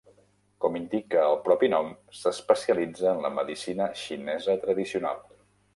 Com indica el propi nom, s"especialitza en la medicina xinesa tradicional.